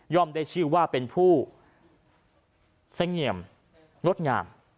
ย่อมได้ชื่อว่าเป็นผู้แทงเงียบนดงาม